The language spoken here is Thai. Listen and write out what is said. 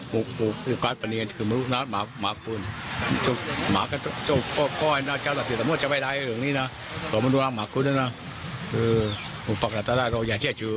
พูดประมาณแหละเพราะว่าแล้วมันต้องวัดเลย